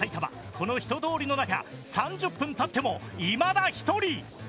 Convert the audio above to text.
この人通りの中３０分経ってもいまだ１人！